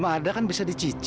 lera enggak takut